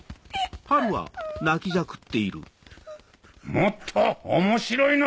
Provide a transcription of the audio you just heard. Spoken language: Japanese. もっと面白いの！